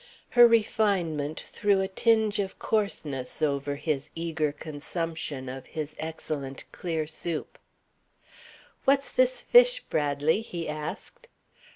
Her refinement threw a tinge of coarseness over his eager consumption of his excellent clear soup. "What's this fish, Bradley?" he asked.